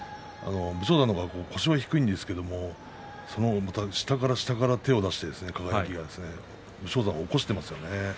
武将山の方が腰が低いんですけれど、その下から下から手を出して輝がですね武将山を起こしていますね。